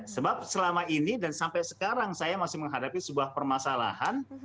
sebab selama ini dan sampai sekarang saya masih menghadapi sebuah permasalahan